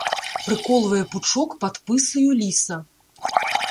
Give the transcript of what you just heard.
Прыколвае пучок пад пысаю ліса.